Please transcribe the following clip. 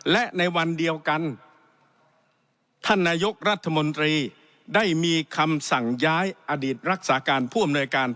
และในวันเดียวกันท่านนายกรัฐมนตรีได้มีคำสั่งย้ายอดีตรักษาการผู้อำนวยการ